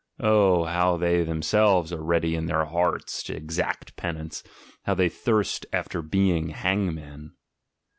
Oh, how they themselves are ready in their hearts to exact penance, how they thirst after being hangmen!